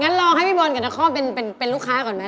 เออแล้วน้องเบิร์ดเป็นอะไรได้